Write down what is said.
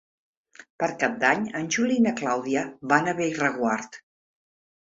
Per Cap d'Any en Juli i na Clàudia van a Bellreguard.